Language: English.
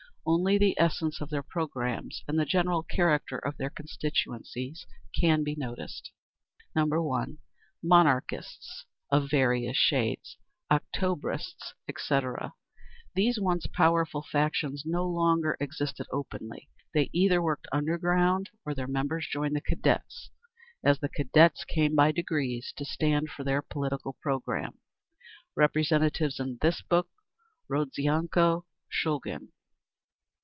Only the essence of their programmes and the general character of their constituencies can be noticed…. 1. Monarchists, of various shades, Octobrists, etc. These once powerful factions no longer existed openly; they either worked underground, or their members joined the Cadets, as the Cadets came by degrees to stand for their political programme. Representatives in this book, Rodzianko, Shulgin.